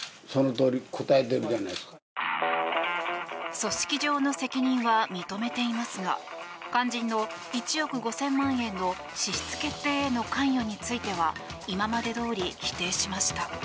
組織上の責任は認めていますが肝心の１億５０００万円の支出決定への関与については今までどおり否定しました。